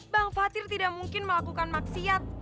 bang fatir tidak mungkin melakukan maksiat